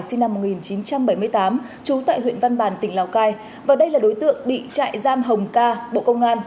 sinh năm một nghìn chín trăm bảy mươi tám trú tại huyện văn bàn tỉnh lào cai và đây là đối tượng bị trại giam hồng ca bộ công an